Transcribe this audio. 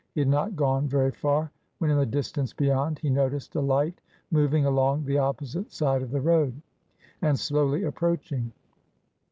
He had not gone very far, when in the distance beyond, he noticed a light moving along the opposite side of the road, and slowly approaching.